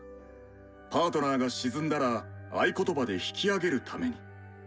パートナーが沈んだら合言葉で引き上げるために。